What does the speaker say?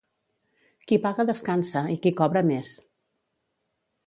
Qui paga descansa i qui cobra més